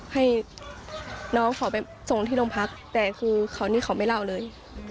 ให้น้องเขาไปส่งที่โรงพักแต่คือเขานี่เขาไม่เล่าเลย